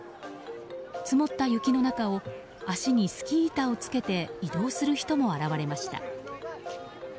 積もった雪の中を足にスキー板をつけて移動する人も現れました。